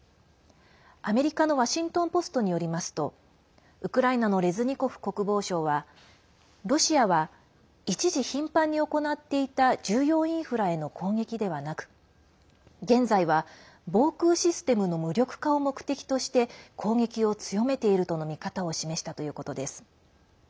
アメリカのワシントン・ポストによりますとウクライナのレズニコフ国防相はロシアは一時、頻繁に行っていた重要インフラへの攻撃ではなく現在は防空システムの無力化を目的として攻撃を強めているとの見方を示したということです。